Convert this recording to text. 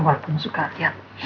walaupun suka lihat